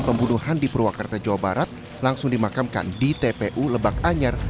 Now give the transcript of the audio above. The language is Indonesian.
pembunuhan di purwakarta jawa barat langsung dimakamkan di tpu lebak anyar